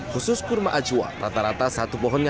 khusus kurma ajwa rata rata satu pohonnya